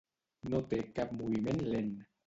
No té cap moviment lent.